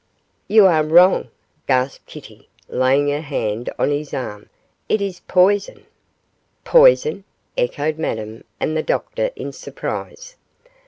'You are wrong!' gasped Kitty, laying her hand on his arm, 'it is poison!' 'Poison!' echoed Madame and the Doctor in surprise.